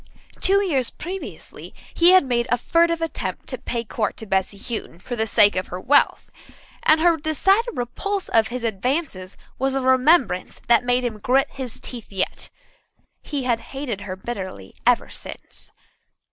Two years previously he had made a furtive attempt to pay court to Bessy Houghton for the sake of her wealth, and her decided repulse of his advances was a remembrance that made him grit his teeth yet. He had hated her bitterly ever since.